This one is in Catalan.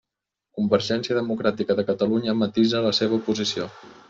Convergència Democràtica de Catalunya matisa la seva posició.